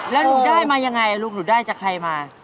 แล้วหนูได้มายังไงลูกหนูได้จากใครมา